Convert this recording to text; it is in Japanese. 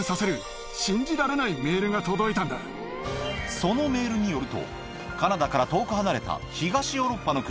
そのメールによるとカナダから遠く離れた東ヨーロッパの国